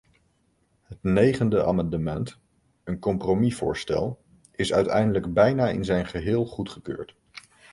Het negende amendement, een compromisvoorstel, is uiteindelijk bijna in zijn geheel goedgekeurd.